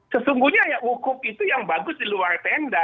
sesungguhnya ya wukuf itu yang bagus di luar tenda